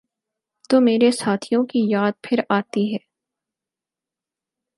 تو مرے ساتھیوں کی یاد پھرآتی ہے۔